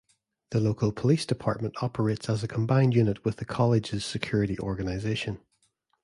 The local police department operates as a combined unit with the college's security organization.